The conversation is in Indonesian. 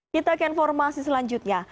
kita ke informasi selanjutnya